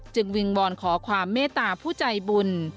วิงวอนขอความเมตตาผู้ใจบุญ